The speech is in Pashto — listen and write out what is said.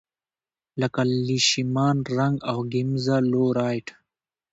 لکه لیشمان رنګ او ګیمزا لو رایټ.